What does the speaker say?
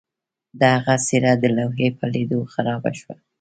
د هغه څیره د لوحې په لیدلو خرابه شوه